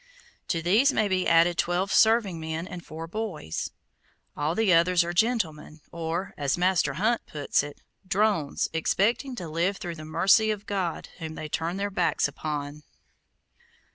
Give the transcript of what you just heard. To these may be added twelve serving men and four boys. All the others are gentlemen, or, as Master Hunt puts it, drones expecting to live through the mercy of God whom they turn their backs upon.